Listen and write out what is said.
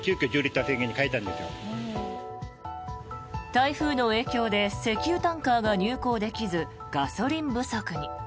台風の影響で石油タンカーが入港できずガソリン不足に。